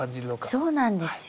そうなんですよ。